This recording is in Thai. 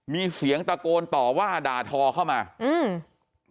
มีเสียงตะโกนต่อว่าด่าทอเข้ามาอืม